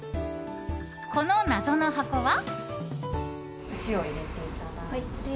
この謎の箱は。